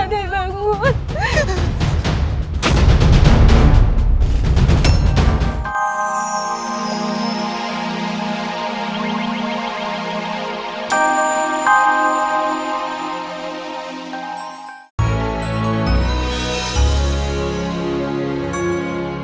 nanda prabu surrawi seja